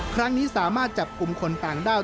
ครั้งนี้สามารถจับกลุ่มคนต่างด้าว